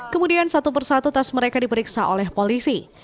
kemudian satu persatu tas mereka diperiksa oleh polisi